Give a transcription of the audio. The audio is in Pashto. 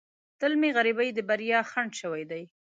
تل مې غریبۍ د بریا خنډ شوې ده.